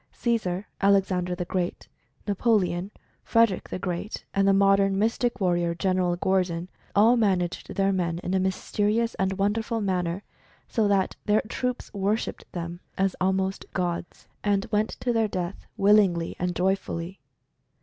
Caesar, Alexander the Great, Napoleon, Fred erick the Great, and the modern Mystic Warrior, Gen. Gordon, all managed their men in a mysterious and wonderful manner, so that their troops worshiped them as almost gods, and went to their death willingly and joyfully.